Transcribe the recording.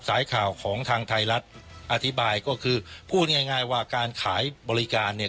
สายข่าวของทางไทยรัฐอธิบายก็คือพูดง่ายง่ายว่าการขายบริการเนี่ย